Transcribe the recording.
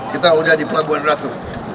kita udah di pabuan ratu